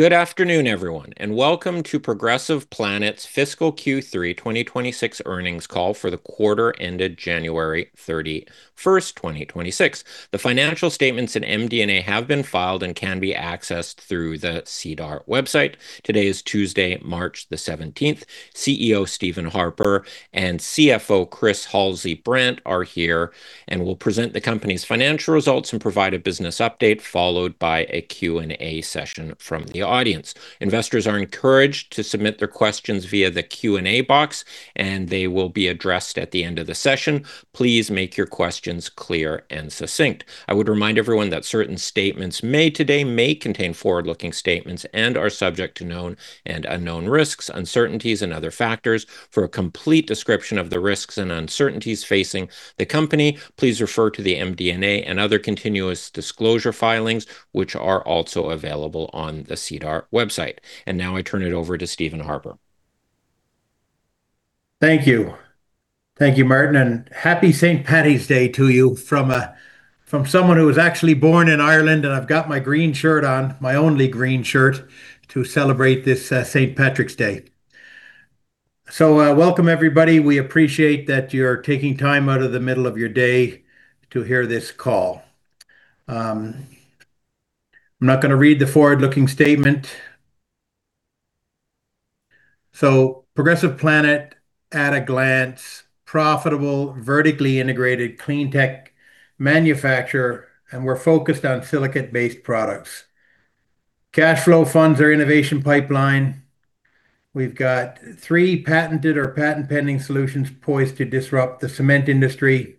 Good afternoon, everyone, and welcome to Progressive Planet Solutions' fiscal Q3 2026 earnings call for the quarter ended January 31, 2026. The financial statements and MD&A have been filed and can be accessed through the SEDAR website. Today is Tuesday, March 17. CEO Steve Harpur and CFO Chris Halsey-Brandt are here and will present the company's financial results and provide a business update, followed by a Q&A session from the audience. Investors are encouraged to submit their questions via the Q&A box, and they will be addressed at the end of the session. Please make your questions clear and succinct. I would remind everyone that certain statements made today may contain forward-looking statements and are subject to known and unknown risks, uncertainties and other factors. For a complete description of the risks and uncertainties facing the company, please refer to the MD&A and other continuous disclosure filings, which are also available on the SEDAR website. Now I turn it over to Steve Harpur. Thank you. Thank you, Martin. Happy Saint Patrick's Day to you from someone who was actually born in Ireland. I've got my green shirt on, my only green shirt, to celebrate this Saint Patrick's Day. Welcome, everybody. We appreciate that you're taking time out of the middle of your day to hear this call. I'm not gonna read the forward-looking statement. Progressive Planet at a glance. Profitable, vertically integrated clean tech manufacturer, and we're focused on silicate-based products. Cash flow funds our innovation pipeline. We've got three patented or patent-pending solutions poised to disrupt the cement industry.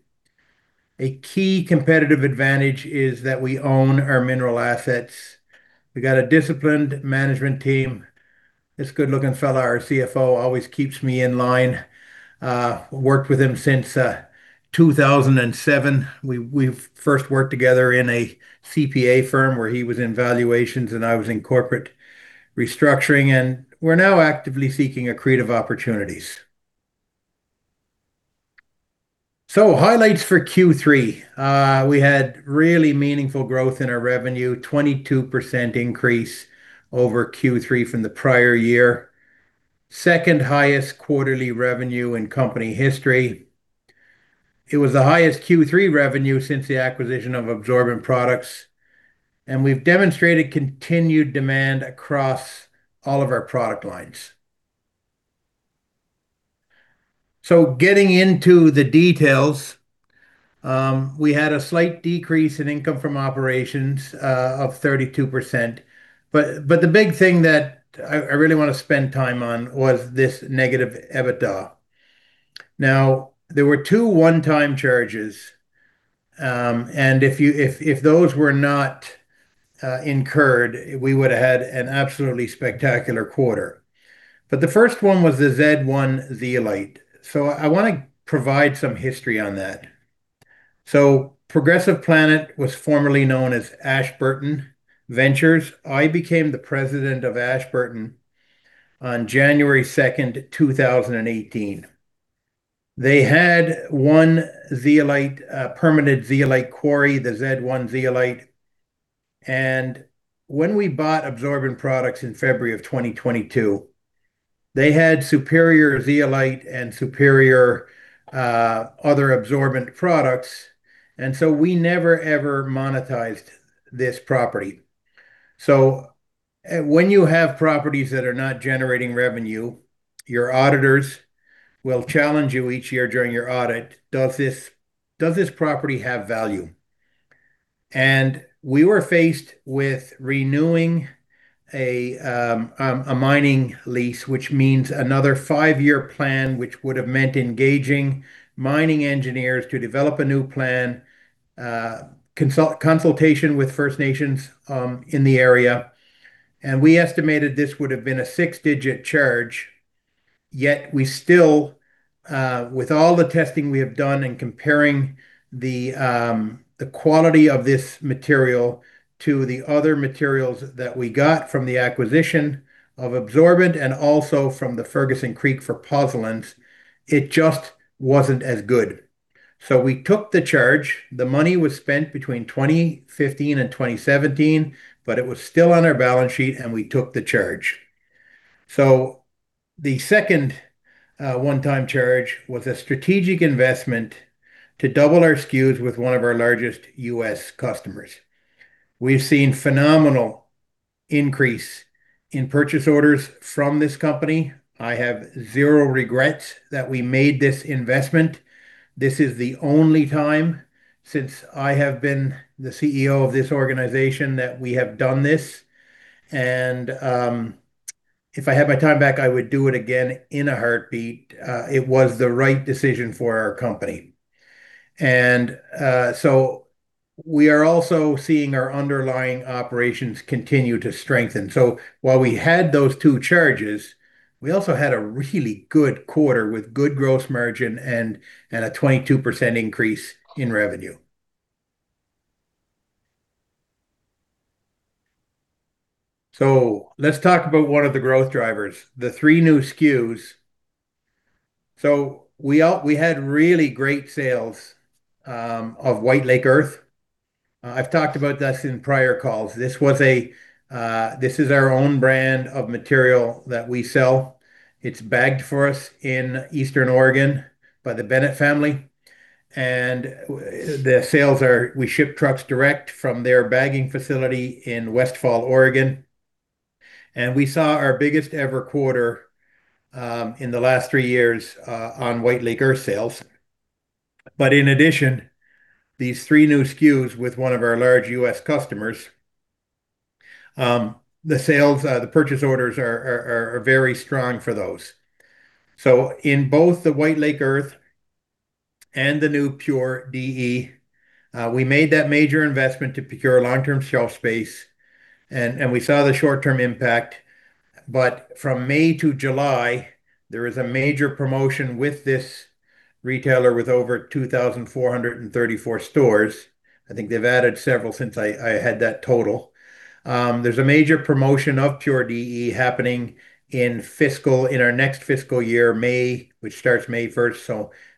A key competitive advantage is that we own our mineral assets. We got a disciplined management team. This good-looking fella, our CFO, always keeps me in line. Worked with him since 2007. We first worked together in a CPA firm where he was in valuations and I was in corporate restructuring. We're now actively seeking accretive opportunities. Highlights for Q3. We had really meaningful growth in our revenue. 22% increase over Q3 from the prior year. Second-highest quarterly revenue in company history. It was the highest Q3 revenue since the acquisition of Absorbent Products. We've demonstrated continued demand across all of our product lines. Getting into the details, we had a slight decrease in income from operations of 32%. The big thing that I really wanna spend time on was this negative EBITDA. There were two one-time charges. If those were not incurred, we would've had an absolutely spectacular quarter. The first one was the Z-Lite zeolite. I wanna provide some history on that. Progressive Planet was formerly known as Ashburton Ventures. I became the president of Ashburton on January 2, 2018. They had one permanent zeolite quarry, the Z1 zeolite. When we bought Absorbent Products in February 2022, they had superior zeolite and superior other absorbent products. We never, ever monetized this property. When you have properties that are not generating revenue, your auditors will challenge you each year during your audit, "Does this property have value?" We were faced with renewing a mining lease, which means another five-year plan, which would have meant engaging mining engineers to develop a new plan, consultation with First Nations in the area. We estimated this would have been a six-digit charge. Yet we still, with all the testing we have done in comparing the quality of this material to the other materials that we got from the acquisition of Absorbent and also from the Ferguson Creek for pozzolans, it just wasn't as good. We took the charge. The money was spent between 2015 and 2017, but it was still on our balance sheet, and we took the charge. The second one-time charge was a strategic investment to double our SKUs with one of our largest U.S. customers. We've seen phenomenal increase in purchase orders from this company. I have zero regrets that we made this investment. This is the only time since I have been the CEO of this organization that we have done this. If I had my time back, I would do it again in a heartbeat. It was the right decision for our company. We are also seeing our underlying operations continue to strengthen. While we had those two charges, we also had a really good quarter with good gross margin and a 22% increase in revenue. Let's talk about one of the growth drivers, the three new SKUs. We had really great sales of White Lake Earth. I've talked about this in prior calls. This is our own brand of material that we sell. It's bagged for us in Eastern Oregon by the Bennett family. We ship trucks direct from their bagging facility in Westfall, Oregon. We saw our biggest ever quarter in the last three years on White Lake Earth sales. In addition, these three new SKUs with one of our large U.S. customers, the sales, the purchase orders are very strong for those. In both the White Lake Earth and the new Pure DE, we made that major investment to procure long-term shelf space and we saw the short-term impact. From May to July, there is a major promotion with this retailer with over 2,434 stores. I think they've added several since I had that total. There's a major promotion of Pure DE happening in our next fiscal year, May, which starts May first.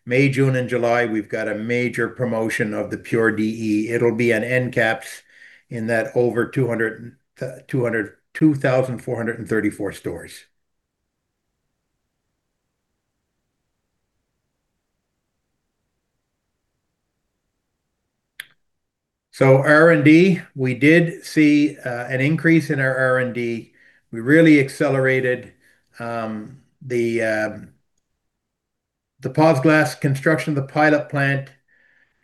May, June and July, we've got a major promotion of the Pure DE. It'll be an end caps in that over 2,434 stores. R&D, we did see an increase in our R&D. We really accelerated the PozGlass construction, the pilot plant,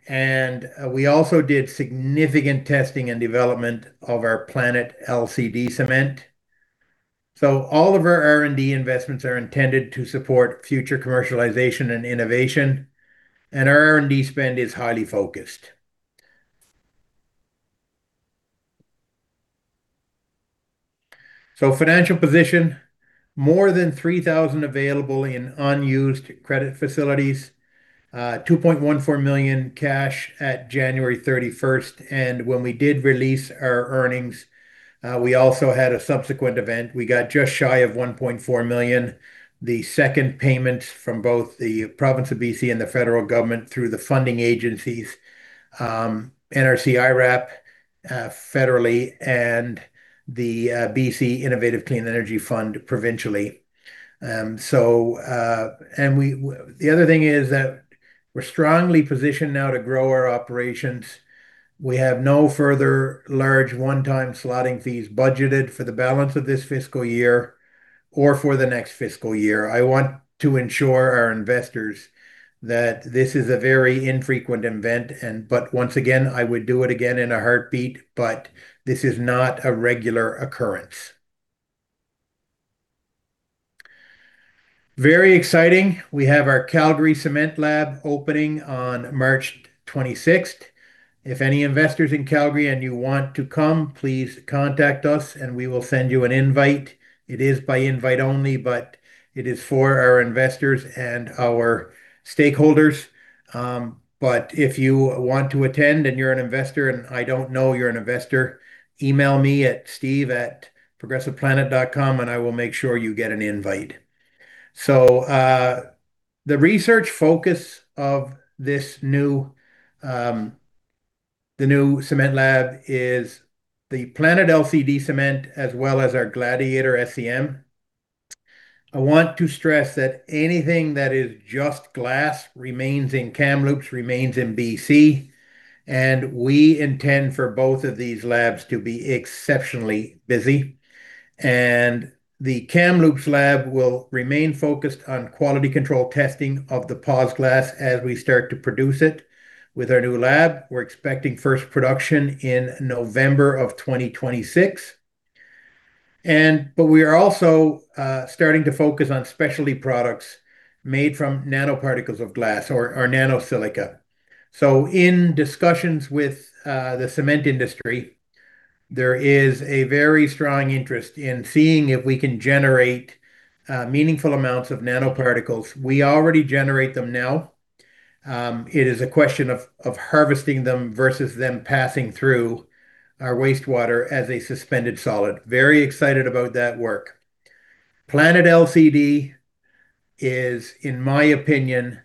and we also did significant testing and development of our Planet LCD Cement. All of our R&D investments are intended to support future commercialization and innovation, and our R&D spend is highly focused. Financial position, more than 3,000 available in unused credit facilities. 2.14 million cash at January 31. When we did release our earnings, we also had a subsequent event. We got just shy of 1.4 million, the second payments from both the province of BC and the federal government through the funding agencies, NRC IRAP federally and the BC Innovative Clean Energy Fund provincially. The other thing is that we're strongly positioned now to grow our operations. We have no further large one-time slotting fees budgeted for the balance of this fiscal year or for the next fiscal year. I want to ensure our investors that this is a very infrequent event, but once again, I would do it again in a heartbeat. This is not a regular occurrence. Very exciting. We have our Calgary cement lab opening on March twenty-sixth. If any investors in Calgary and you want to come, please contact us and we will send you an invite. It is by invite only, but it is for our investors and our stakeholders. If you want to attend and you're an investor, and I don't know you're an investor, email me at steve@progressiveplanet.com and I will make sure you get an invite. The research focus of the new cement lab is the Planet LCD Cement as well as our Gladiator SCM. I want to stress that anything that is just glass remains in Kamloops, remains in BC, and we intend for both of these labs to be exceptionally busy. The Kamloops lab will remain focused on quality control testing of the PozGlass as we start to produce it with our new lab. We're expecting first production in November 2026. We are also starting to focus on specialty products made from nanoparticles of glass or nanosilica. In discussions with the cement industry, there is a very strong interest in seeing if we can generate meaningful amounts of nanoparticles. We already generate them now. It is a question of harvesting them versus them passing through our wastewater as a suspended solid. Very excited about that work. Planet LCD is, in my opinion,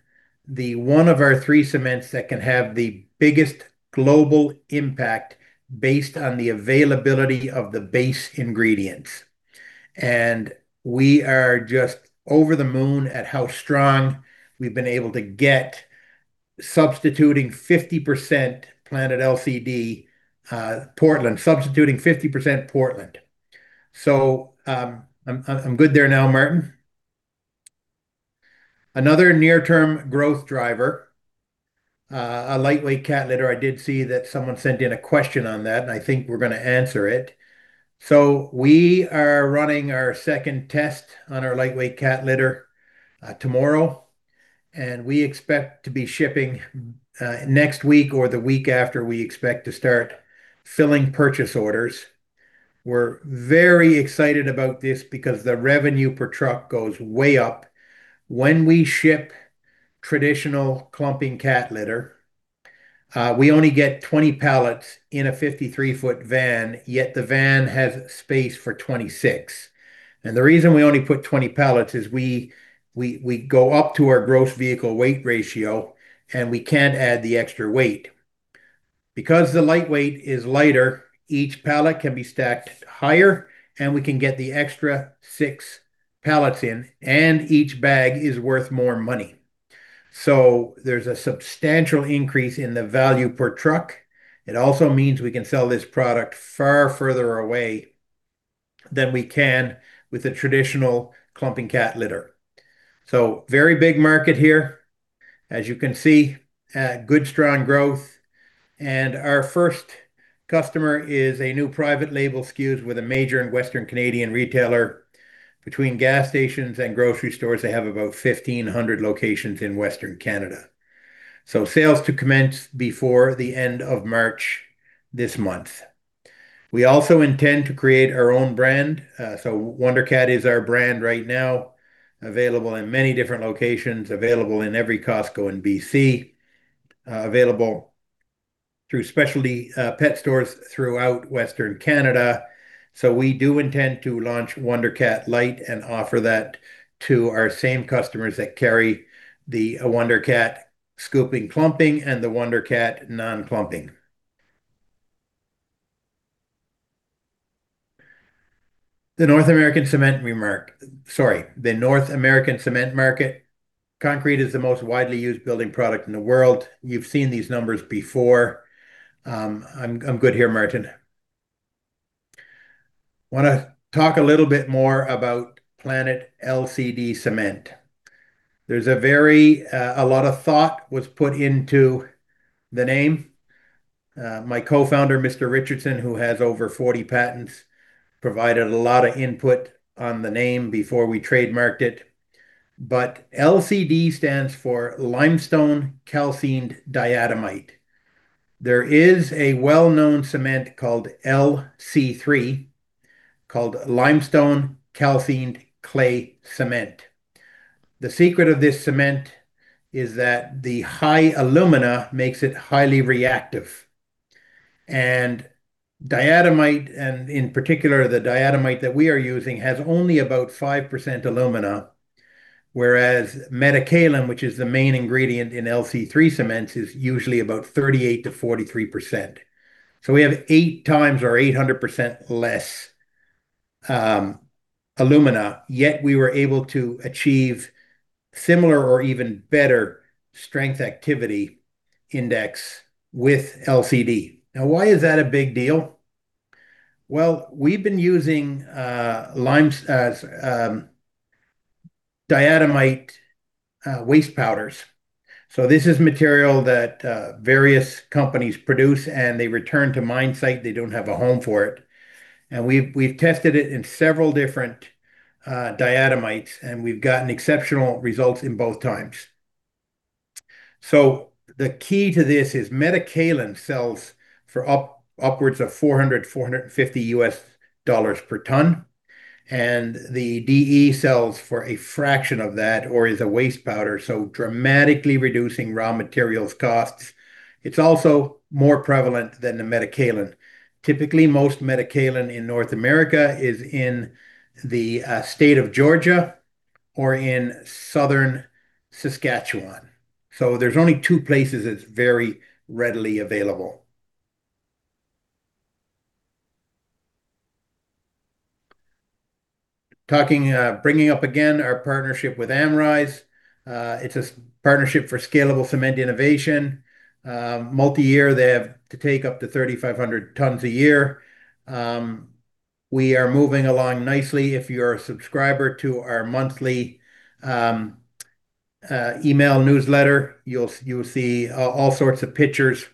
the one of our three cements that can have the biggest global impact based on the availability of the base ingredients. We are just over the moon at how strong we've been able to get substituting 50% Planet LCD for Portland. I'm good there now, Martin. Another near-term growth driver, a lightweight cat litter. I did see that someone sent in a question on that, and I think we're gonna answer it. We are running our second test on our lightweight cat litter tomorrow, and we expect to be shipping next week or the week after, we expect to start filling purchase orders. We're very excited about this because the revenue per truck goes way up. When we ship traditional clumping cat litter, we only get 20 pallets in a 53-foot van, yet the van has space for 26. The reason we only put 20 pallets is we go up to our gross vehicle weight ratio, and we can't add the extra weight. Because the lightweight is lighter, each pallet can be stacked higher, and we can get the extra six pallets in, and each bag is worth more money. There's a substantial increase in the value per truck. It also means we can sell this product far further away than we can with the traditional clumping cat litter. Very big market here. As you can see, good strong growth. Our first customer is a new private label SKUs with a major and Western Canadian retailer. Between gas stations and grocery stores, they have about 1,500 locations in Western Canada. Sales to commence before the end of March this month. We also intend to create our own brand. Wundercat is our brand right now, available in many different locations, available in every Costco in BC, available through specialty pet stores throughout Western Canada. We do intend to launch Wundercat Light and offer that to our same customers that carry the Wundercat scooping clumping and the Wundercat non-clumping. The North American cement market. Concrete is the most widely used building product in the world. You've seen these numbers before. I'm good here, Martin. Wanna talk a little bit more about Planet LCD Cement. There's a very a lot of thought was put into the name. My cofounder, Mr. Richardson, who has over 40 patents, provided a lot of input on the name before we trademarked it. LCD stands for limestone calcined diatomite. There is a well-known cement called LC3, called limestone calcined clay cement. The secret of this cement is that the high alumina makes it highly reactive. Diatomite, and in particular, the diatomite that we are using, has only about 5% alumina, whereas metakaolin, which is the main ingredient in LC3 cements, is usually about 38%-43%. We have 8 times or 800% less alumina, yet we were able to achieve similar or even better strength activity index with LCD. Now, why is that a big deal? We've been using diatomite waste powders. This is material that various companies produce, and they return to mine site. They don't have a home for it. We've tested it in several different diatomites, and we've gotten exceptional results in both times. The key to this is metakaolin sells for upwards of $450 per ton, and the DE sells for a fraction of that or is a waste powder, so dramatically reducing raw materials costs. It's also more prevalent than the metakaolin. Typically, most metakaolin in North America is in the state of Georgia or in Southern Saskatchewan. There's only two places it's very readily available. Talking, bringing up again our partnership with. It's a partnership for scalable cement innovation. Multi-year, they have to take up to 3,500 tons a year. We are moving along nicely. If you are a subscriber to our monthly email newsletter, you'll see all sorts of pictures.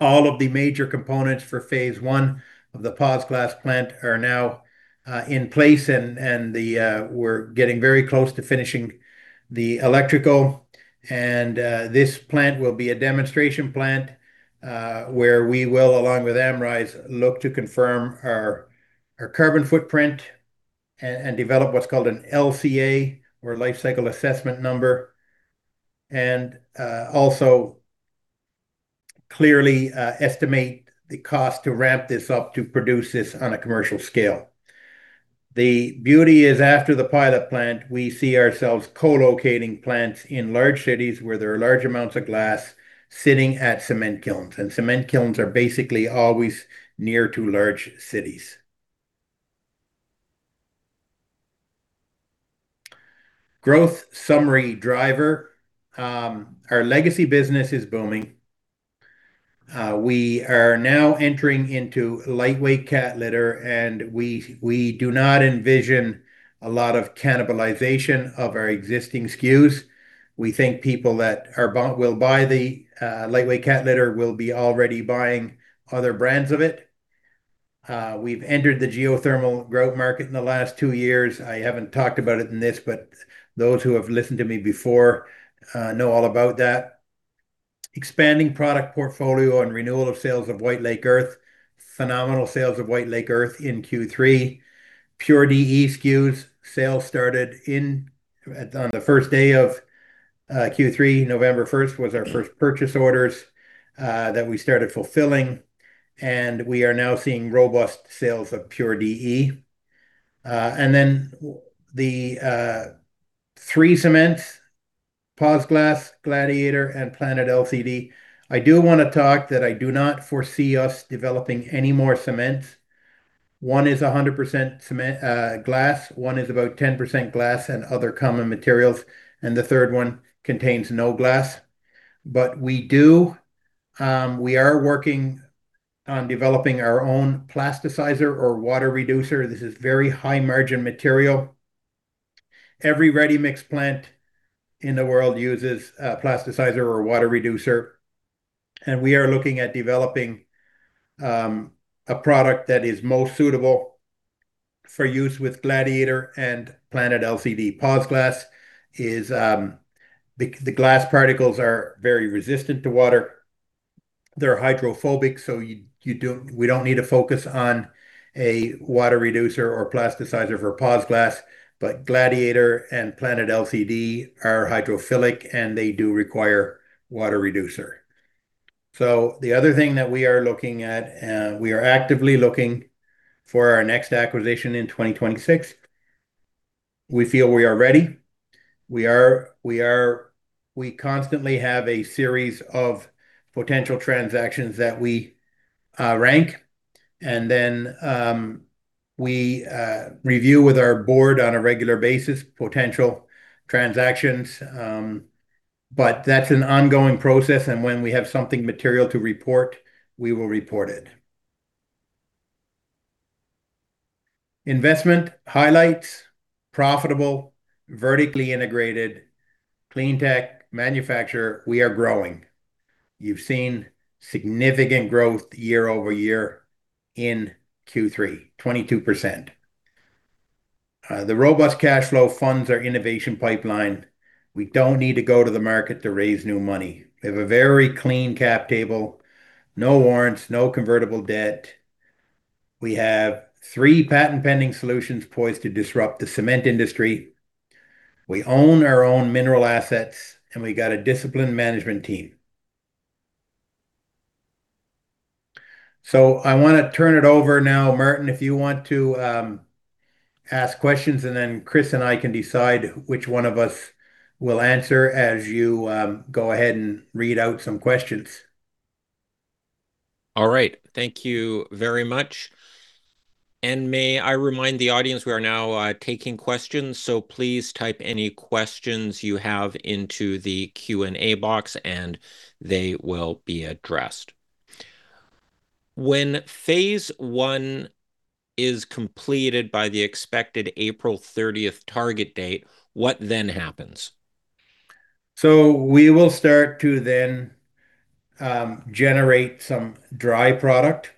All of the major components for phase one of the PozGlass plant are now in place, and we're getting very close to finishing the electrical. This plant will be a demonstration plant where we will, along with Amirix, look to confirm our carbon footprint and develop what's called an LCA or lifecycle assessment number, and also clearly estimate the cost to ramp this up to produce this on a commercial scale. The beauty is after the pilot plant, we see ourselves co-locating plants in large cities where there are large amounts of glass sitting at cement kilns. Cement kilns are basically always near to large cities. Growth summary driver. Our legacy business is booming. We are now entering into lightweight cat litter, and we do not envision a lot of cannibalization of our existing SKUs. We think people that will buy the lightweight cat litter will be already buying other brands of it. We've entered the geothermal grout market in the last two years. I haven't talked about it in this, but those who have listened to me before know all about that. Expanding product portfolio and renewal of sales of White Lake Earth. Phenomenal sales of White Lake Earth in Q3. Pure DE SKUs sales started on the first day of Q3. November first was our first purchase orders that we started fulfilling, and we are now seeing robust sales of Pure DE. The three cements, PozGlass, Gladiator, and Planet LCD. I do wanna talk that I do not foresee us developing any more cements. One is 100% cement, glass. One is about 10% glass and other common materials, and the third one contains no glass. We are working on developing our own plasticizer or water reducer. This is very high-margin material. Every ready-mix plant in the world uses a plasticizer or water reducer, and we are looking at developing a product that is most suitable for use with Gladiator and Planet LCD. PozGlass is. The glass particles are very resistant to water. They're hydrophobic, so we don't need to focus on a water reducer or plasticizer for PozGlass. Gladiator and Planet LCD are hydrophilic, and they do require water reducer. The other thing that we are looking at, we are actively looking for our next acquisition in 2026. We feel we are ready. We constantly have a series of potential transactions that we rank, and then we review with our board on a regular basis potential transactions. That's an ongoing process, and when we have something material to report, we will report it. Investment highlights. Profitable, vertically integrated, clean tech manufacturer. We are growing. You've seen significant growth year-over-year in Q3, 22%. The robust cash flow funds our innovation pipeline. We don't need to go to the market to raise new money. We have a very clean cap table, no warrants, no convertible debt. We have three patent-pending solutions poised to disrupt the cement industry. We own our own mineral assets, and we got a disciplined management team. I wanna turn it over now, Martin, if you want to ask questions, and then Chris and I can decide which one of us will answer as you go ahead and read out some questions. All right. Thank you very much. May I remind the audience we are now taking questions, so please type any questions you have into the Q&A box, and they will be addressed. When phase one is completed by the expected April thirtieth target date, what then happens? We will start to then generate some dry product.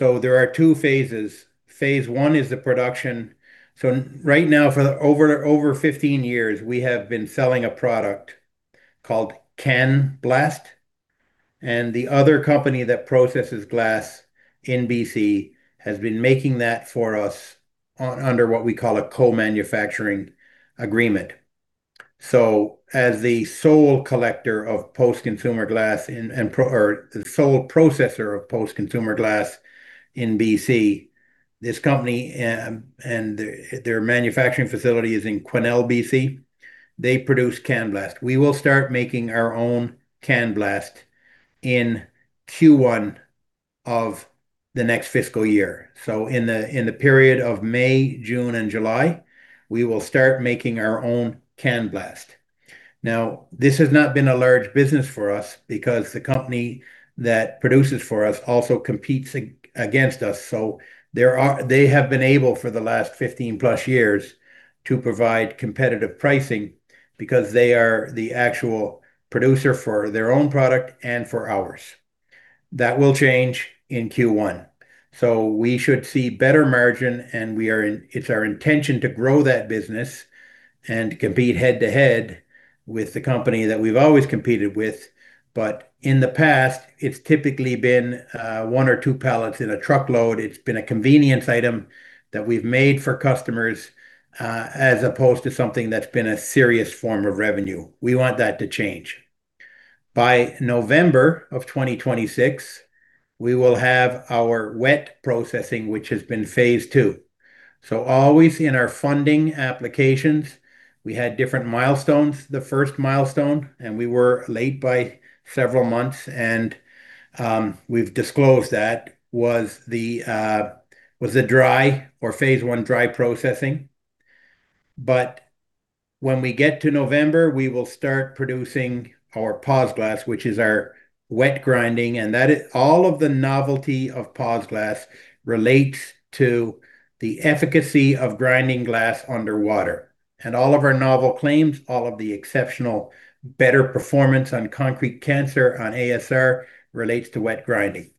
There are two phases. Phase one is the production. Right now, for over 15 years, we have been selling a product called CanBlast. The other company that processes glass in BC has been making that for us under what we call a co-manufacturing agreement. As the sole collector of post-consumer glass in or the sole processor of post-consumer glass in BC, this company and their manufacturing facility is in Quesnel, BC. They produce CanBlast. We will start making our own CanBlast in Q1 of the next fiscal year. In the period of May, June, and July, we will start making our own CanBlast. Now, this has not been a large business for us because the company that produces for us also competes against us. They have been able for the last 15-plus years to provide competitive pricing because they are the actual producer for their own product and for ours. That will change in Q1. We should see better margin, and it's our intention to grow that business and compete head-to-head with the company that we've always competed with. In the past, it's typically been 1 or 2 pallets in a truckload. It's been a convenience item that we've made for customers as opposed to something that's been a serious form of revenue. We want that to change. By November 2026, we will have our wet processing, which has been phase two. Always in our funding applications, we had different milestones. The first milestone, and we were late by several months, and we've disclosed that, was the dry or phase one dry processing. When we get to November, we will start producing our PozGlass, which is our wet grinding, and that—All of the novelty of PozGlass relates to the efficacy of grinding glass underwater. All of our novel claims, all of the exceptional better performance on concrete cancer on ASR relates to wet grinding.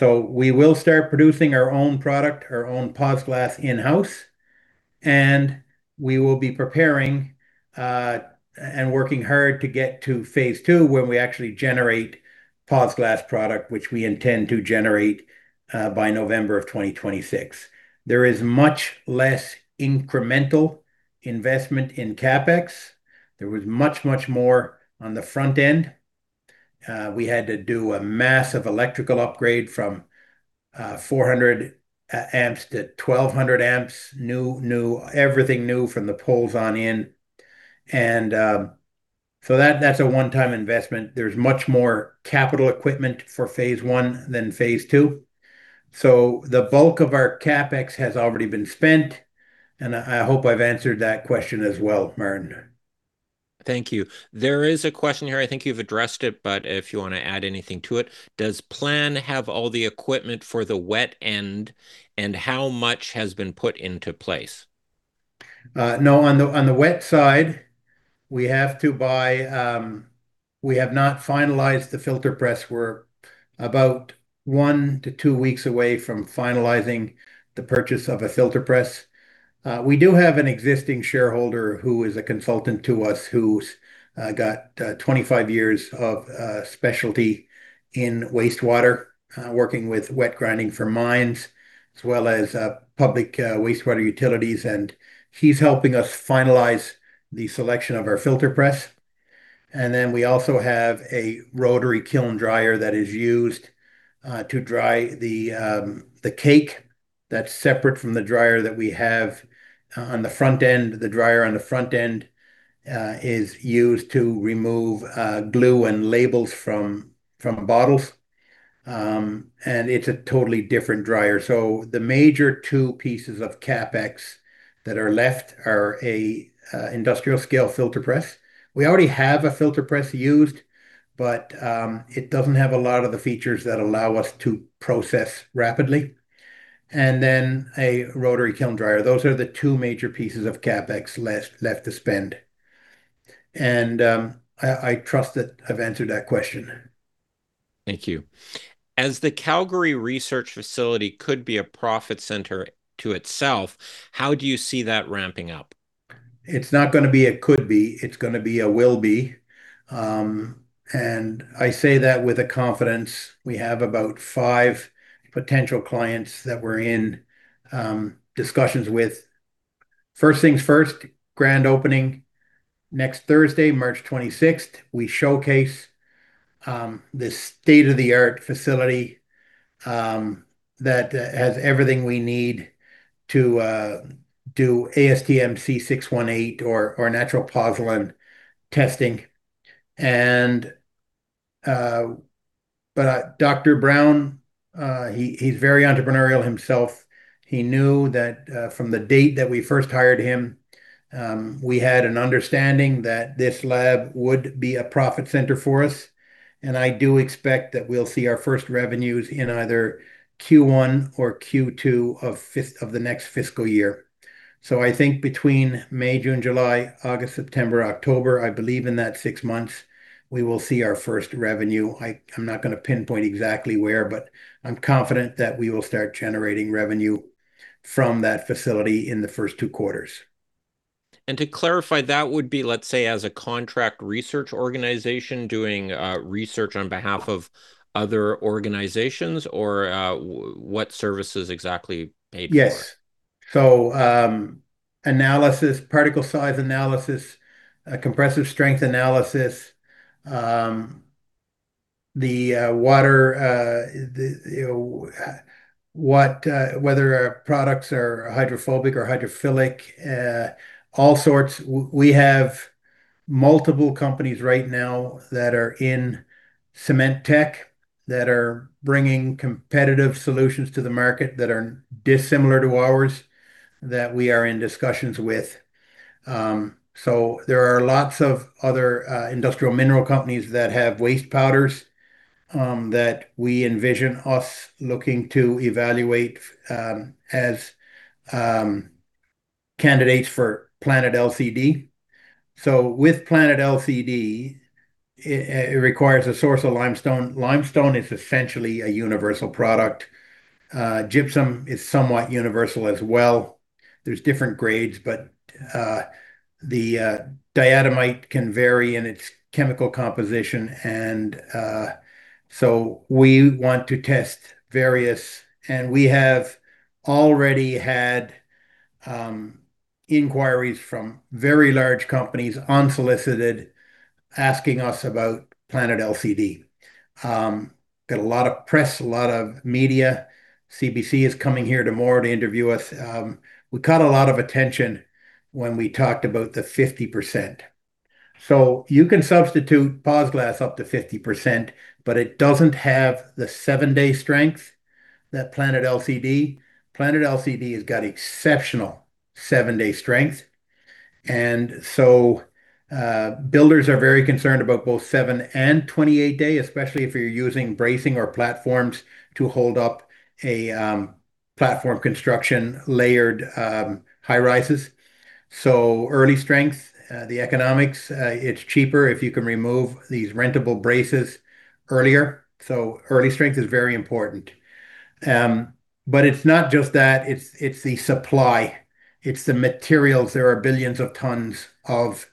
We will start producing our own product, our own PozGlass in-house. We will be preparing, and working hard to get to phase two where we actually generate PozGlass product, which we intend to generate, by November of 2026. There is much less incremental investment in CapEx. There was much, much more on the front end. We had to do a massive electrical upgrade from 400 amps to 1200 amps. New everything new from the poles on in. That's a one-time investment. There's much more capital equipment for phase one than phase two. The bulk of our CapEx has already been spent, and I hope I've answered that question as well, Martin. Thank you. There is a question here, I think you've addressed it, but if you want to add anything to it. Does Planet have all the equipment for the wet end, and how much has been put into place? No. On the wet side, we have to buy. We have not finalized the filter press. We're about 1-2 weeks away from finalizing the purchase of a filter press. We do have an existing shareholder who is a consultant to us, who's got 25 years of specialty in wastewater, working with wet grinding for mines as well as public wastewater utilities. He's helping us finalize the selection of our filter press. We also have a rotary kiln dryer that is used to dry the cake that's separate from the dryer that we have on the front end. The dryer on the front end is used to remove glue and labels from bottles. It's a totally different dryer. The major two pieces of CapEx that are left are an industrial scale filter press. We already have a filter press used, but it doesn't have a lot of the features that allow us to process rapidly. A rotary kiln dryer. Those are the two major pieces of CapEx left to spend. I trust that I've answered that question. Thank you. As the Calgary research facility could be a profit center to itself, how do you see that ramping up? It's not gonna be a could be, it's gonna be a will be. I say that with a confidence. We have about five potential clients that we're in discussions with. First things first, grand opening next Thursday, March twenty-sixth. We showcase this state-of-the-art facility that has everything we need to do ASTM C618 or natural pozzolan testing. Dr. Brown, he's very entrepreneurial himself. He knew that from the date that we first hired him, we had an understanding that this lab would be a profit center for us. I do expect that we'll see our first revenues in either Q1 or Q2 of the next fiscal year. I think between May, June, July, August, September, October, I believe in that six months we will see our first revenue. I'm not gonna pinpoint exactly where, but I'm confident that we will start generating revenue from that facility in the first two quarters. To clarify, that would be, let's say, as a contract research organization doing research on behalf of other organizations or, what services exactly paid for? Yes. Analysis, particle size analysis, compressive strength analysis, the water, whether our products are hydrophobic or hydrophilic, all sorts. We have multiple companies right now that are in cement tech that are bringing competitive solutions to the market that are dissimilar to ours that we are in discussions with. There are lots of other industrial mineral companies that have waste powders that we envision us looking to evaluate as candidates for Planet LCD. With Planet LCD, it requires a source of limestone. Limestone is essentially a universal product. Gypsum is somewhat universal as well. There's different grades, but the diatomite can vary in its chemical composition and we want to test various. We have already had inquiries from very large companies unsolicited asking us about Planet LCD. Got a lot of press, a lot of media. CBC is coming here tomorrow to interview us. We caught a lot of attention when we talked about the 50%. You can substitute PozGlass up to 50%, but it doesn't have the 7-day strength that Planet LCD. Planet LCD has got exceptional 7-day strength. Builders are very concerned about both 7- and 28-day, especially if you're using bracing or platforms to hold up a platform construction layered high-rises. Early strength, the economics, it's cheaper if you can remove these rentable braces earlier. Early strength is very important. It's not just that, it's the supply. It's the materials. There are billions of tons of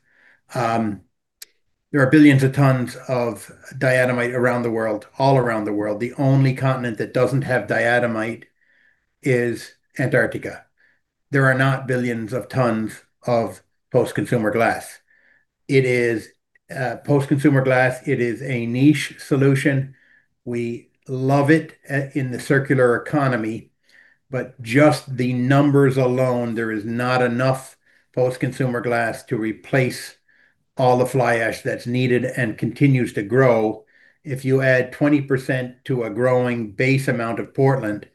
there are billions of tons of diatomite around the world, all around the world. The only continent that doesn't have diatomite is Antarctica. There are not billions of tons of post-consumer glass. It is post-consumer glass, it is a niche solution. We love it in the circular economy, but just the numbers alone, there is not enough post-consumer glass to replace all the fly ash that's needed and continues to grow. If you add 20% to a growing base amount of Portland,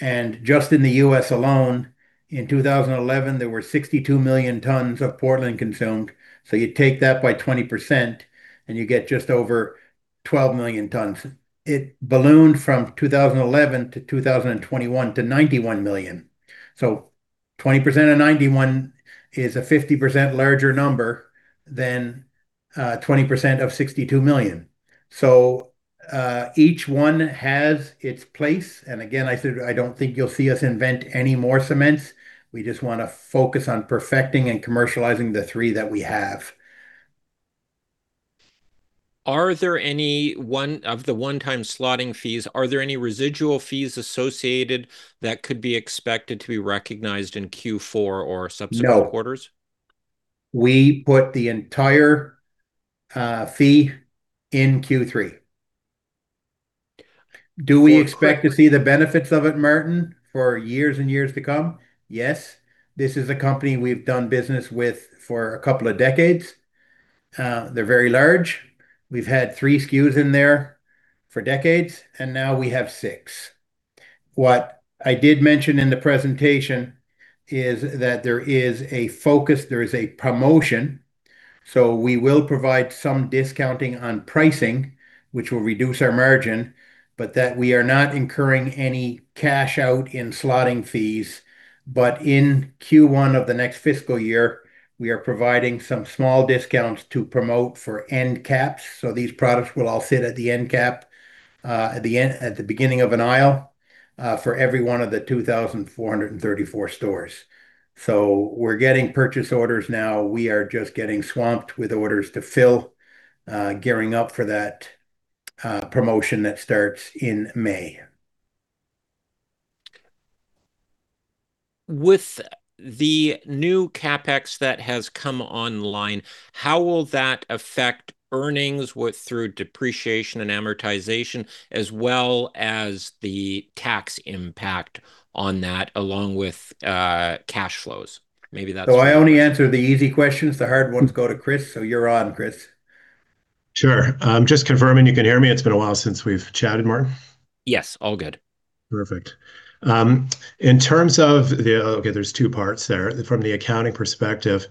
and just in the U.S. alone, in 2011 there were 62 million tons of Portland consumed. You take that by 20% and you get just over 12 million tons. It ballooned from 2011 to 2021 to 91 million. 20% of 91 is a 50% larger number than 20% of 62 million. Each one has its place, and again, I said I don't think you'll see us invent any more cements. We just wanna focus on perfecting and commercializing the three that we have. Are there any of the one-time slotting fees? Are there any residual fees associated that could be expected to be recognized in Q4 or subsequent- No Quarters? We put the entire fee in Q3. Do we expect to see the benefits of it, Martin, for years and years to come? Yes. This is a company we've done business with for a couple of decades. They're very large. We've had 3 SKUs in there for decades, and now we have 6. What I did mention in the presentation is that there is a focus, there is a promotion. We will provide some discounting on pricing, which will reduce our margin, but that we are not incurring any cash out in slotting fees. In Q1 of the next fiscal year, we are providing some small discounts to promote for end caps. These products will all sit at the end cap at the beginning of an aisle for every one of the 2,434 stores. We're getting purchase orders now. We are just getting swamped with orders to fill, gearing up for that promotion that starts in May. With the new CapEx that has come online, how will that affect earnings through depreciation and amortization, as well as the tax impact on that, along with cash flows? I only answer the easy questions. The hard ones go to Chris. You're on, Chris. Sure. I'm just confirming you can hear me. It's been a while since we've chatted, Martin. Yes. All good. Perfect. In terms of the, okay, there are 2 parts there. From the accounting perspective,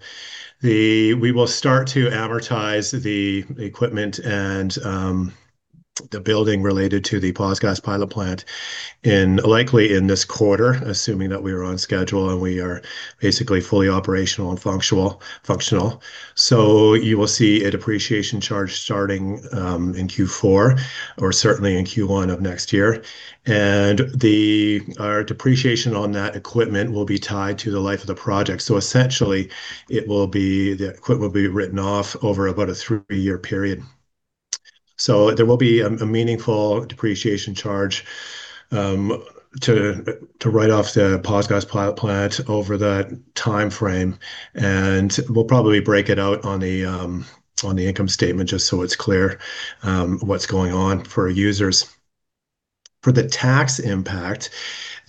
we will start to amortize the equipment and the building related to the paused gas pilot plant, likely in this quarter, assuming that we are on schedule and we are basically fully operational and functional. You will see a depreciation charge starting in Q4 or certainly in Q1 of next year. Our depreciation on that equipment will be tied to the life of the project. Essentially, it will be, the equipment will be written off over about a 3-year period. There will be a meaningful depreciation charge to write off the paused gas pilot plant over that timeframe, and we'll probably break it out on the income statement just so it's clear what's going on for users. For the tax impact,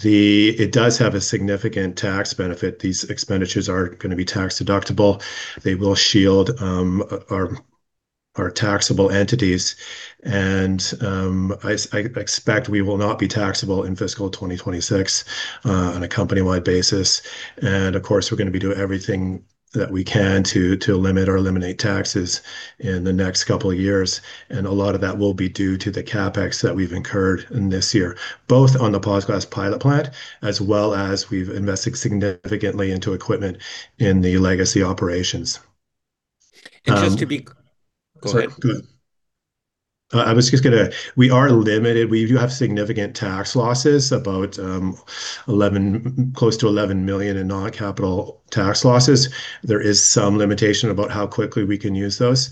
it does have a significant tax benefit. These expenditures are gonna be tax-deductible. They will shield our taxable entities, and I expect we will not be taxable in fiscal 2026 on a company-wide basis. Of course, we're gonna be doing everything that we can to limit or eliminate taxes in the next couple of years, and a lot of that will be due to the CapEx that we've incurred in this year, both on the paused gas pilot plant, as well as we've invested significantly into equipment in the legacy operations. Go ahead. We are limited. We do have significant tax losses, about 11 million in non-capital tax losses. There is some limitation about how quickly we can use those,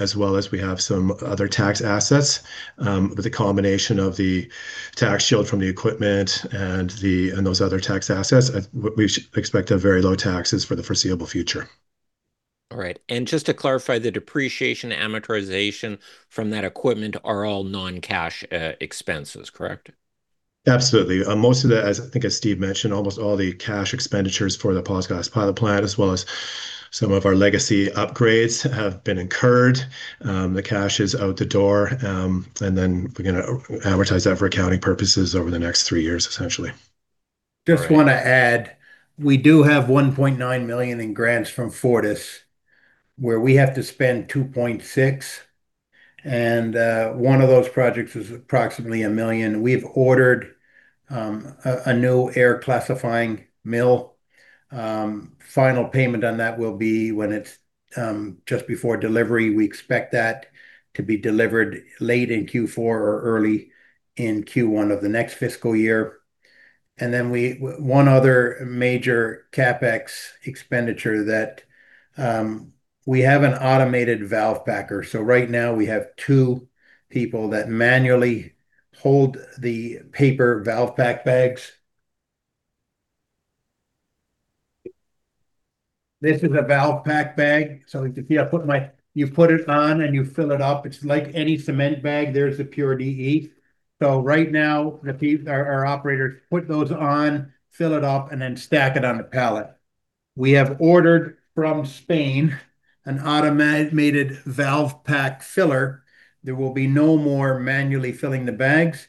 as well as we have some other tax assets. With the combination of the tax shield from the equipment and those other tax assets, we expect to have very low taxes for the foreseeable future. All right. Just to clarify, the depreciation and amortization from that equipment are all non-cash expenses, correct? Absolutely. Most of the, I think as Steve mentioned, almost all the CapEx for the paused gas pilot plant, as well as some of our legacy upgrades, have been incurred. The cash is out the door. We're gonna amortize that for accounting purposes over the next three years, essentially. All right. Just want to add, we do have 1.9 million in grants from FortisBC, where we have to spend 2.6 million, and one of those projects is approximately 1 million. We've ordered a new air classifying mill. Final payment on that will be when it's just before delivery. We expect that to be delivered late in Q4 or early in Q1 of the next fiscal year. One other major CapEx expenditure that we have is an automated valve packer. Right now we have two people that manually hold the paper valve packer bags. This is a valve packer bag. So if you see, you put it on, and you fill it up. It's like any cement bag. There's the pour spout. Right now, our operators put those on, fill it up, and then stack it on a pallet. We have ordered from Spain an automated valve packer filler. There will be no more manually filling the bags,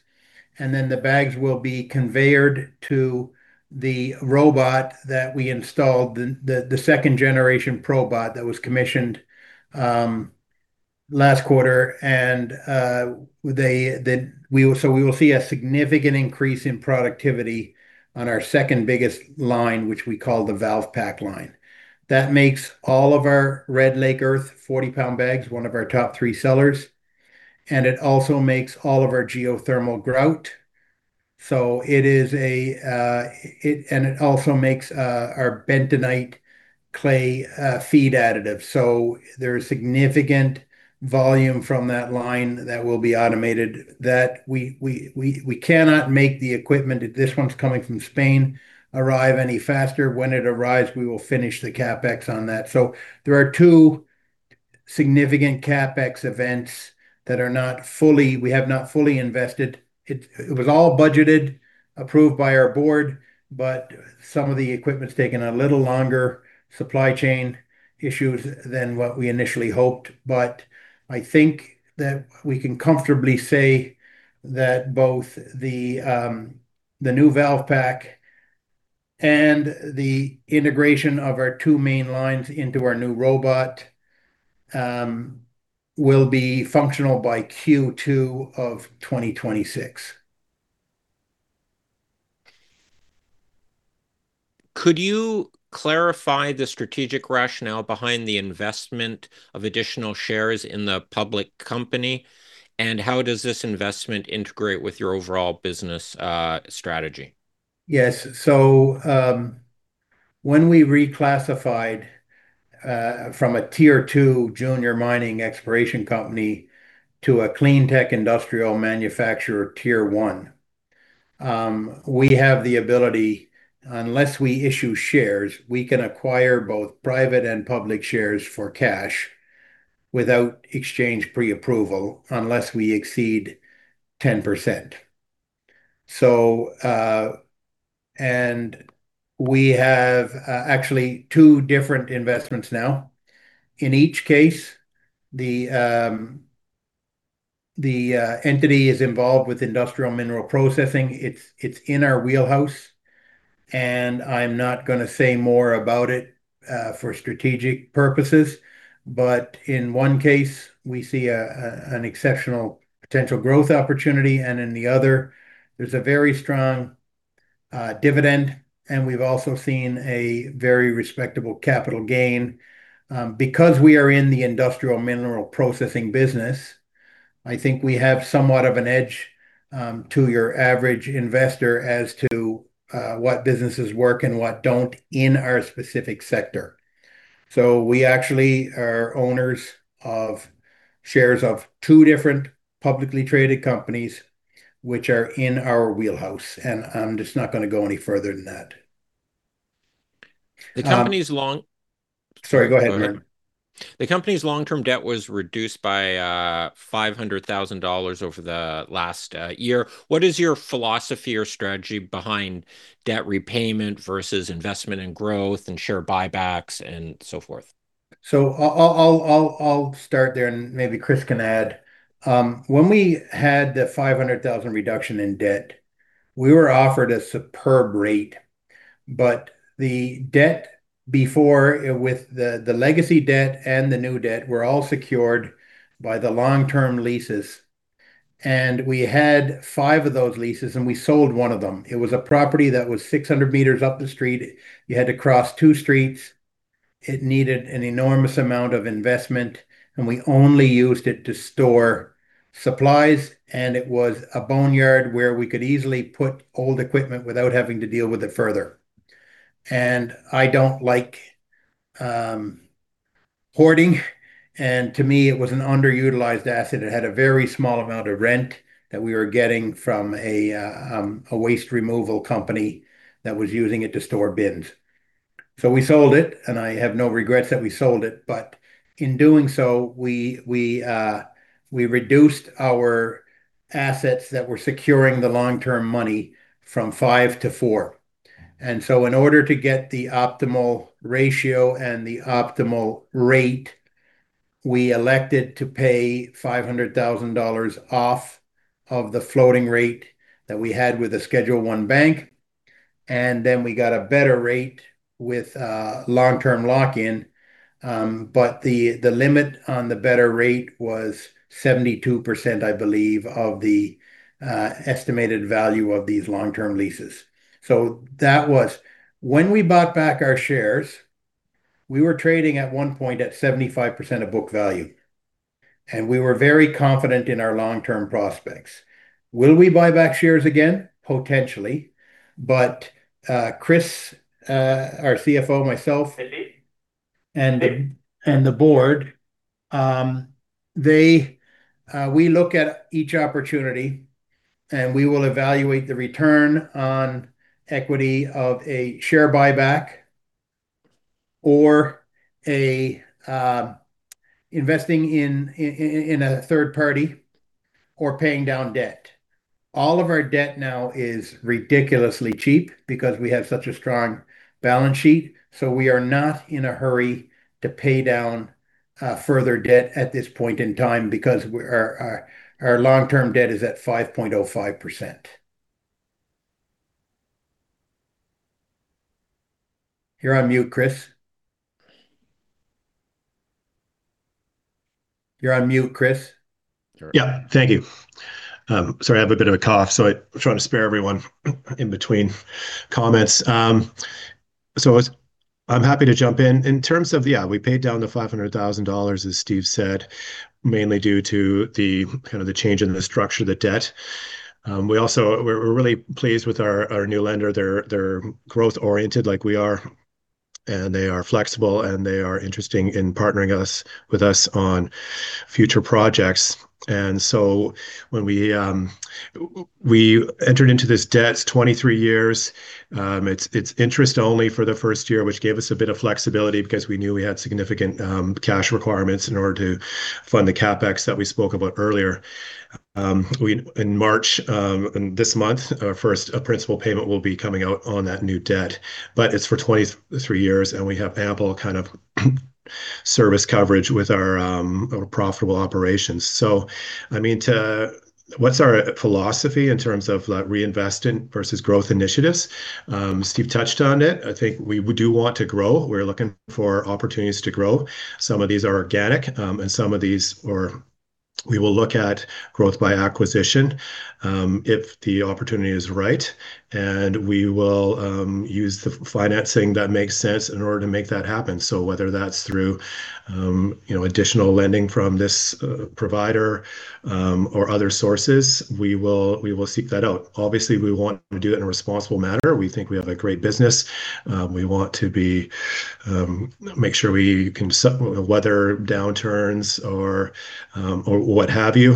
and then the bags will be conveyed to the robot that we installed, the second generation Probot that was commissioned last quarter. We will see a significant increase in productivity on our second biggest line, which we call the valve packer line. That makes all of our Red Lake Earth 40-pound bags one of our top three sellers, and it also makes all of our geothermal grout. It is a, and it also makes our bentonite clay feed additive. There's significant volume from that line that will be automated that we cannot make the equipment, this one's coming from Spain, arrive any faster. When it arrives, we will finish the CapEx on that. There are two significant CapEx events. We have not fully invested. It was all budgeted, approved by our board, but some of the equipment's taken a little longer, supply chain issues, than what we initially hoped. I think that we can comfortably say that both the new valve packer and the integration of our two main lines into our new robot will be functional by Q2 of 2026. Could you clarify the strategic rationale behind the investment of additional shares in the public company, and how does this investment integrate with your overall business strategy? Yes. When we reclassified from a tier two junior mining exploration company to a clean tech industrial manufacturer tier one, we have the ability, unless we issue shares, we can acquire both private and public shares for cash without exchange pre-approval unless we exceed 10%. We have actually two different investments now. In each case, the entity is involved with industrial mineral processing. It's in our wheelhouse, and I'm not gonna say more about it for strategic purposes. In one case, we see an exceptional potential growth opportunity, and in the other, there's a very strong dividend, and we've also seen a very respectable capital gain. Because we are in the industrial mineral processing business, I think we have somewhat of an edge to your average investor as to what businesses work and what don't in our specific sector. We actually are owners of shares of two different publicly traded companies which are in our wheelhouse, and I'm just not gonna go any further than that. The company's long- Sorry, go ahead. The company's long-term debt was reduced by 500,000 dollars over the last year. What is your philosophy or strategy behind debt repayment versus investment and growth and share buybacks and so forth? I'll start there, and maybe Chris can add. When we had the 500,000 reduction in debt, we were offered a superb rate. The debt before with the legacy debt and the new debt were all secured by the long-term leases. We had 5 of those leases, and we sold one of them. It was a property that was 600 meters up the street. You had to cross 2 streets. It needed an enormous amount of investment, and we only used it to store supplies, and it was a boneyard where we could easily put old equipment without having to deal with it further. I don't like hoarding, and to me, it was an underutilized asset. It had a very small amount of rent that we were getting from a waste removal company that was using it to store bins. We sold it, and I have no regrets that we sold it. In doing so, we reduced our assets that were securing the long-term money from 5 to 4. In order to get the optimal ratio and the optimal rate, we elected to pay 500,000 dollars off of the floating rate that we had with the Schedule I bank, and then we got a better rate with long-term lock-in. The limit on the better rate was 72%, I believe, of the estimated value of these long-term leases. When we bought back our shares, we were trading at one point at 75% of book value, and we were very confident in our long-term prospects. Will we buy back shares again? Potentially. Chris, our CFO, myself- Hello We look at each opportunity, and we will evaluate the return on equity of a share buyback or investing in a third party or paying down debt. All of our debt now is ridiculously cheap because we have such a strong balance sheet, so we are not in a hurry to pay down further debt at this point in time because our long-term debt is at 5.05%. You're on mute, Chris. You're on mute, Chris. Yeah. Thank you. Sorry, I have a bit of a cough, so I'm trying to spare everyone in between comments. I'm happy to jump in. In terms of, we paid down 500,000 dollars, as Steve said, mainly due to the kind of the change in the structure of the debt. We're really pleased with our new lender. They're growth-oriented like we are, and they are flexible, and they are interested in partnering with us on future projects. We entered into this debt, it's 23 years. It's interest only for the first year, which gave us a bit of flexibility because we knew we had significant cash requirements in order to fund the CapEx that we spoke about earlier. In March and this month, our first principal payment will be coming out on that new debt. It's for 23 years, and we have ample debt service coverage with our profitable operations. I mean, what's our philosophy in terms of, like, reinvesting versus growth initiatives? Steve touched on it. I think we do want to grow. We're looking for opportunities to grow. Some of these are organic. We will look at growth by acquisition, if the opportunity is right, and we will use the financing that makes sense in order to make that happen. Whether that's through, you know, additional lending from this provider, or other sources, we will seek that out. Obviously, we want to do it in a responsible manner. We think we have a great business. We want to make sure we can weather downturns or what have you.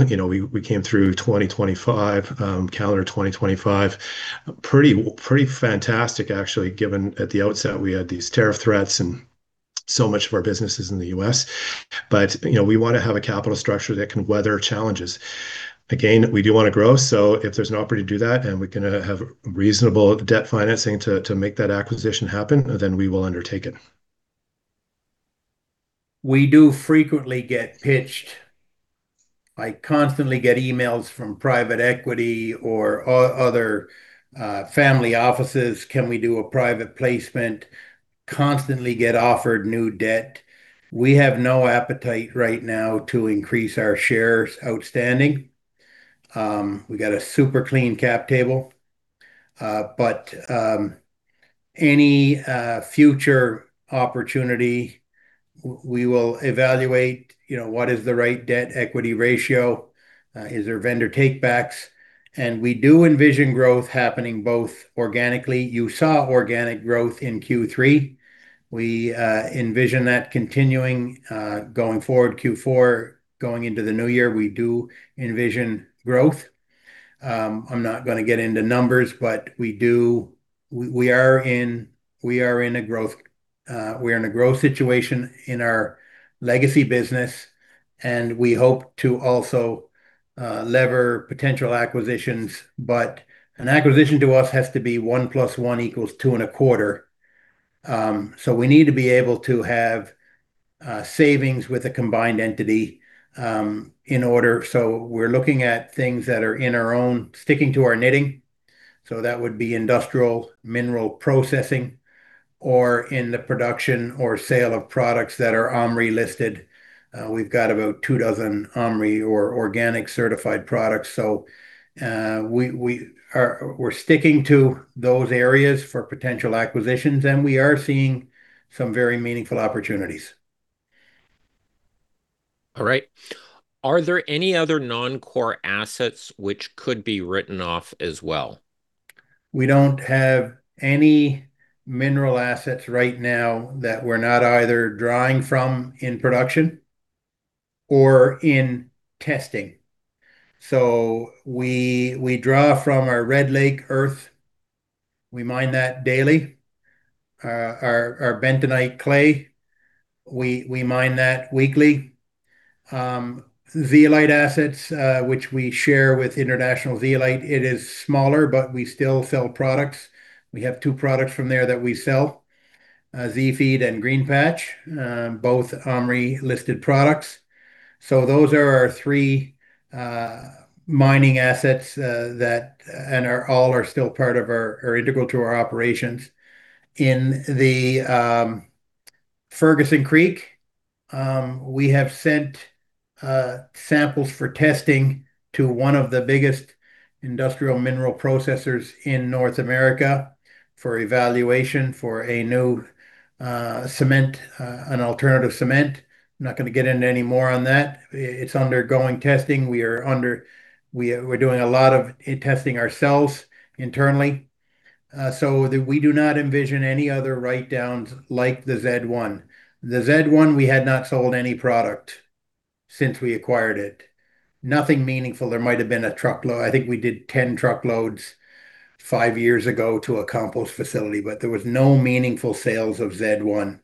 We came through 2025, calendar 2025 pretty fantastic actually given at the outset we had these tariff threats and so much of our business is in the US. We want to have a capital structure that can weather challenges. Again, we do want to grow, so if there's an opportunity to do that, and we can have reasonable debt financing to make that acquisition happen, then we will undertake it. We do frequently get pitched. I constantly get emails from private equity or family offices, "Can we do a private placement?" Constantly get offered new debt. We have no appetite right now to increase our shares outstanding. We got a super clean cap table. We will evaluate, what is the right debt-equity ratio, is there vendor take-backs. We do envision growth happening both organically. You saw organic growth in Q3. We envision that continuing going forward. Q4, going into the new year, we do envision growth. I'm not gonna get into numbers, but we are in a growth situation in our legacy business, and we hope to also leverage potential acquisitions. An acquisition to us has to be 1 + 1 = 2.25. We need to be able to have savings with a combined entity in order. We're looking at things sticking to our knitting, so that would be industrial mineral processing or in the production or sale of products that are OMRI listed. We've got about 24 OMRI or organic certified products. We're sticking to those areas for potential acquisitions, and we are seeing some very meaningful opportunities. All right. Are there any other non-core assets which could be written off as well? We don't have any mineral assets right now that we're not either drawing from in production or in testing. We draw from our Red Lake Earth. We mine that daily. Our bentonite clay, we mine that weekly. Zeolite assets, which we share with International Zeolite, it is smaller, but we still sell products. We have two products from there that we sell, Z-Lite and The Green Patch, both OMRI-listed products. Those are our three mining assets that and are all still part of our operations and are integral to our operations. In the Ferguson Creek, we have sent samples for testing to one of the biggest industrial mineral processors in North America for evaluation for a new cement, an alternative cement. Not gonna get into any more on that. It's undergoing testing. We're doing a lot of it testing ourselves internally, so that we do not envision any other write-downs like the Z1. The Z1 we had not sold any product since we acquired it. Nothing meaningful. There might've been a truckload. I think we did 10 truckloads five years ago to a compost facility, but there was no meaningful sales of Z1.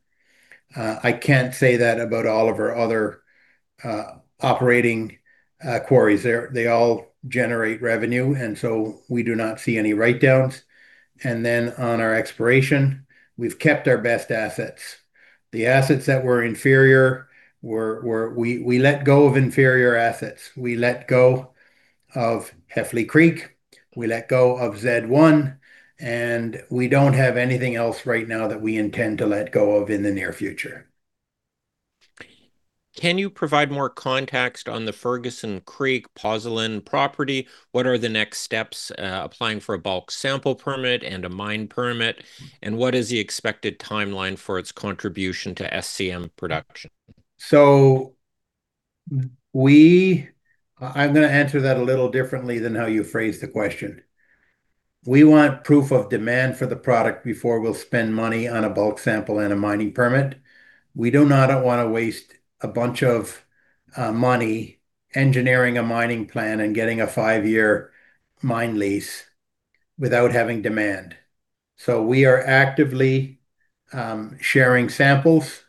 I can't say that about all of our other operating quarries. They all generate revenue, and so we do not see any write-downs. On our exploration, we've kept our best assets. The assets that were inferior were. We let go of inferior assets. We let go of Heffley Creek, we let go of Z1, and we don't have anything else right now that we intend to let go of in the near future. Can you provide more context on the Ferguson Creek pozzolan property? What are the next steps, applying for a bulk sample permit and a mine permit, and what is the expected timeline for its contribution to SCM production? I'm gonna answer that a little differently than how you phrased the question. We want proof of demand for the product before we'll spend money on a bulk sample and a mining permit. We do not want to waste a bunch of money engineering a mining plan and getting a five-year mine lease without having demand. We are actively sharing samples.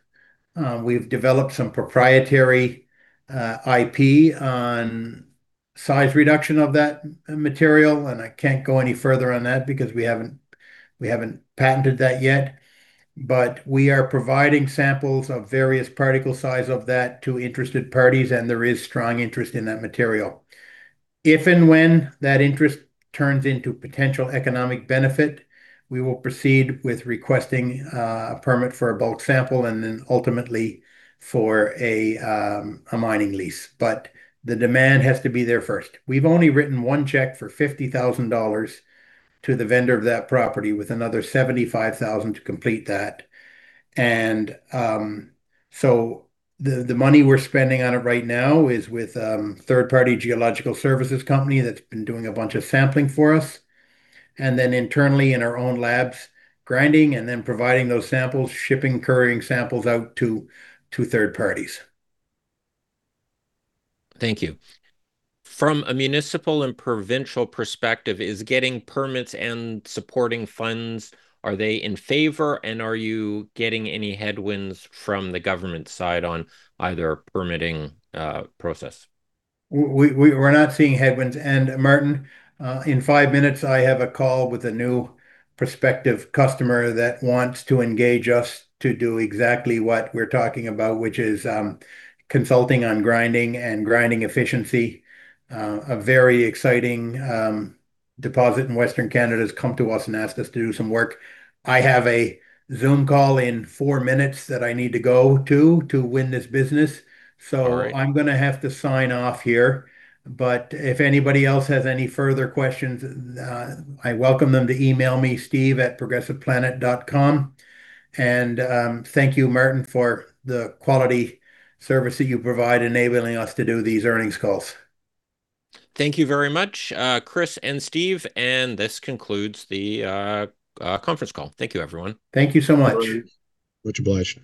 We've developed some proprietary IP on size reduction of that material, and I can't go any further on that because we haven't patented that yet. We are providing samples of various particle size of that to interested parties, and there is strong interest in that material. If and when that interest turns into potential economic benefit, we will proceed with requesting a permit for a bulk sample and then ultimately for a mining lease. The demand has to be there first. We've only written one check for 50,000 dollars to the vendor of that property, with another 75,000 to complete that. The money we're spending on it right now is with third-party geological services company that's been doing a bunch of sampling for us, and then internally in our own labs, grinding and then providing those samples, shipping, couriering samples out to third parties. Thank you. From a municipal and provincial perspective, is getting permits and supporting funds, are they in favor, and are you getting any headwinds from the government side on either permitting, process? We're not seeing headwinds. Martin, in five minutes I have a call with a new prospective customer that wants to engage us to do exactly what we're talking about, which is consulting on grinding and grinding efficiency. A very exciting deposit in Western Canada has come to us and asked us to do some work. I have a Zoom call in four minutes that I need to go to to win this business. All right. I'm gonna have to sign off here. If anybody else has any further questions, I welcome them to email me, steve@progressiveplanet.com. Thank you, Martin, for the quality service that you provide enabling us to do these earnings calls. Thank you very much, Chris and Steve, and this concludes the conference call. Thank you, everyone. Thank you so much. Much obliged.